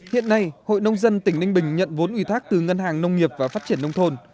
hiện nay hội nông dân tỉnh ninh bình nhận vốn ủy thác từ ngân hàng nông nghiệp và phát triển nông thôn